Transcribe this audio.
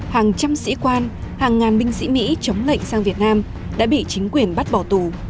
hàng trăm sĩ quan hàng ngàn binh sĩ mỹ chống lệnh sang việt nam đã bị chính quyền bắt bỏ tù